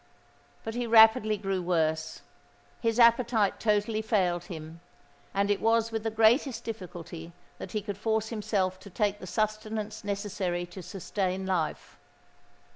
But he rapidly grew worse:—his appetite totally failed him; and it was with the greatest difficulty that he could force himself to take the sustenance necessary to sustain life.